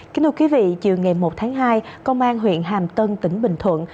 kính thưa quý vị chiều ngày một tháng hai công an huyện hàm tân tỉnh bình thuận